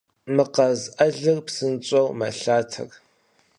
Мы къаз ӏэлыр псынщӏэу мэлъатэр.